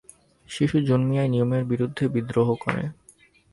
শিশু জন্মিয়াই নিয়মের বিরুদ্ধে বিদ্রোহ করে।